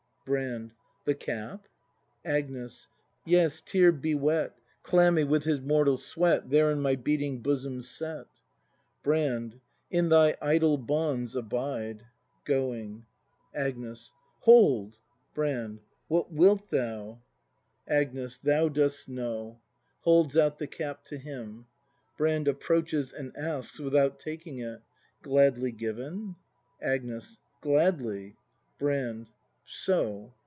Brand. The cap ? Agnes. Yes, tear bewet. Clammy with his mortal sweat. There in my beating bosom set! Brand. In thy idol bonds abide. [Going. Agnes. Hold! Brand. What wilt thou? 208 BRAND [act iv Agnes. Thou dost know. [Holds out the cap to him. Brand. [Approaches and asks, without taking it.] Gladly given ? Agnes. Gladly! Brand. So.